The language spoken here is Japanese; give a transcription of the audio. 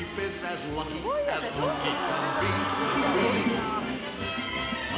すごいな。